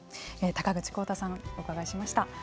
高口康太さんにお伺いしました。